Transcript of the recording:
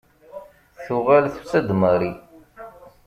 Tuɣal tusa-d Marie.